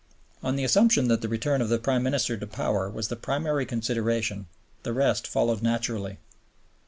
On the assumption that the return of the Prime Minister to power was the primary consideration, the rest followed naturally.